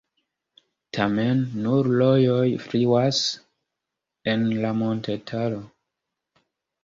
Tamen nur rojoj fluas en la montetaro.